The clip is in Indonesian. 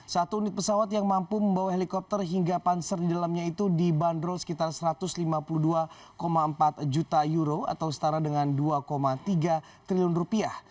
satu unit pesawat yang mampu membawa helikopter hingga panser di dalamnya itu dibanderol sekitar satu ratus lima puluh dua empat juta euro atau setara dengan dua tiga triliun rupiah